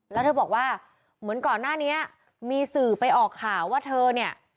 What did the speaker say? แล้วเธอบอกว่าเหมือนก่อนหน้านี้มีสื่อไปออกข่าวว่าเธอเนี่ย